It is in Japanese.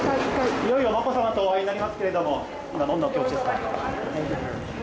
いよいよまこさまとお会いになりますけれども、今、どんなお気持ちですか？